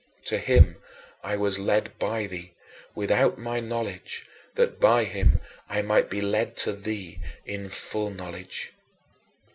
To him I was led by thee without my knowledge, that by him I might be led to thee in full knowledge.